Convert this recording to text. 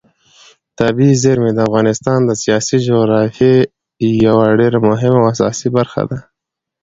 طبیعي زیرمې د افغانستان د سیاسي جغرافیې یوه ډېره مهمه او اساسي برخه ده.